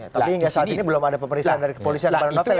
tapi saat ini belum ada pemeriksaan dari kepolisian